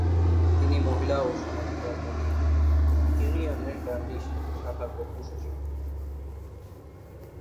তিনি মহিলা সামাজিক ও রাজনৈতিক ইউনিয়নের ডান্ডি শাখার প্রথম সচিব হন।